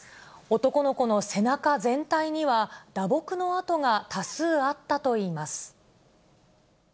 男の子の背中全体には、打撲の痕が多数あったといいます。